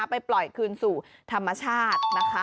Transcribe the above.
ไปปล่อยคืนสู่ธรรมชาตินะคะ